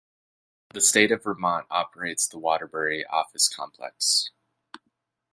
The State of Vermont operates the Waterbury Office Complex.